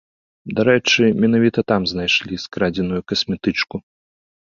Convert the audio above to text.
Дарэчы, менавіта там знайшлі скрадзеную касметычку.